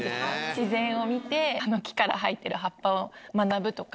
自然を見てあの木から生えてる葉っぱを学ぶとか。